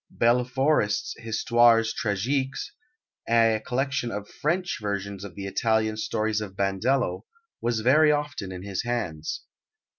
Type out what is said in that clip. Belleforest's "Histoires Tragiques," a collection of French versions of the Italian stories of Bandello, was very often in his hands.